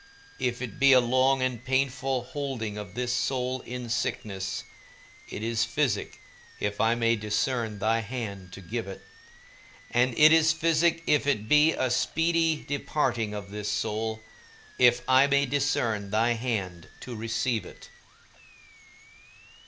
If it be a long and painful holding of this soul in sickness, it is physic if I may discern thy hand to give it; and it is physic if it be a speedy departing of this soul, if I may discern thy hand to receive it.